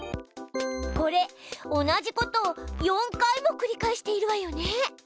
これ同じことを４回も繰り返しているわよね。